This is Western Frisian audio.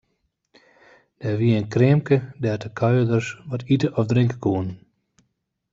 Der wie in kreamke dêr't de kuierders wat ite of drinke koene.